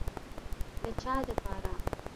د چا دپاره.